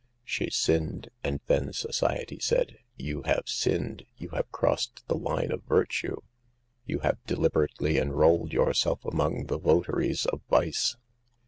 She sinned, and then society said, "You have sinned. You have crossed the line of virtue. You have deliberately enrolled yourself among the votaries of vice.